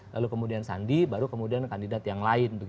lalu kemudian sandi baru kemudian kandidat yang lain